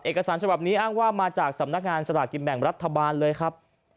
เอกสารฉบับนี้อ้างว่ามาจากสำนักงานสลากกินแบ่งรัฐบาลเลยครับ